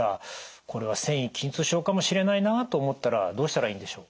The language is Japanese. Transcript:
これは線維筋痛症かもしれないなと思ったらどうしたらいいんでしょう？